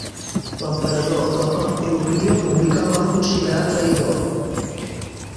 L'emperador, la cort i l'opinió pública el van considerar traïdor.